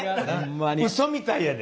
うそみたいやで！